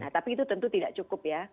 tapi itu tentu tidak cukup ya